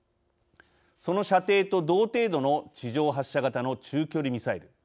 その射程と同程度の地上発射型の中距離ミサイル。